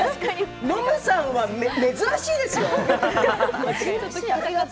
ノムさんは珍しいですよ。